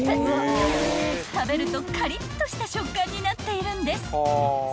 ［食べるとカリッとした食感になっているんです］